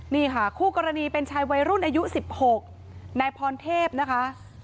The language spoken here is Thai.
นี่ค่ะคู่กรณีเป็นชายวัยรุ่นอายุ๑๖นายพรเทพนะคะ